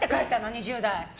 ２０代。